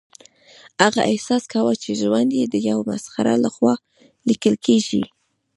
هغه احساس کاوه چې ژوند یې د یو مسخره لخوا لیکل کیږي